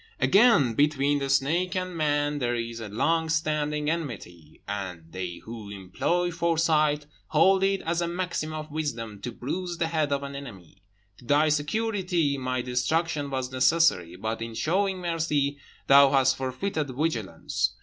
"Again, between the snake and man there is a long standing enmity, and they who employ foresight hold it as a maxim of wisdom to bruise the head of an enemy; to thy security my destruction was necessary, but, in showing mercy, thou hast forfeited vigilance.